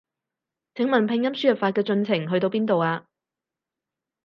請問拼音輸入法嘅進程去到邊度啊？